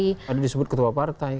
tidak tadi disebut ketua partai